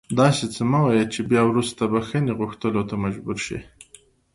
داسې څه مه وایه چې بیا وروسته بښنې غوښتلو ته مجبور شې